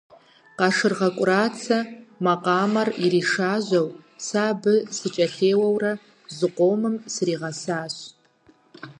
Къашыргъэ КӀурацэ макъамэр иришажьэу, сэ абы сыкӀэлъеуэурэ зыкъомым сригъэсащ.